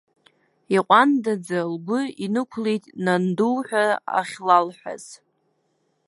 Иҟәандаӡа лгәы инықәлеит нанду ҳәа ахьлалҳәаз.